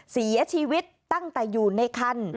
เสียชีวิตตั้งแต่อยู่ในคัน